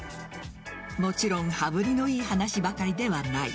もちろん羽振りのいい話ばかりではない。